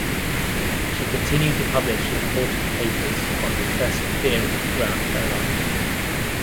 She continued to publish important papers on recursive theory throughout her life.